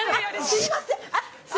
すみません！